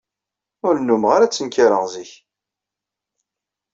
Ur nnummeɣ ara ttenkareɣ zik.